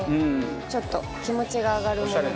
ちょっと気持ちが上がるものとか。